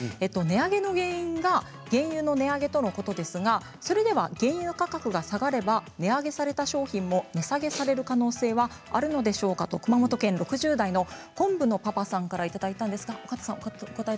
値上げの原因が原油の値上げとのことですがそれでは原油価格が下がれば値上げされた商品も値下げされる可能性はあるのでしょうかと熊本県６０代の方から来ました。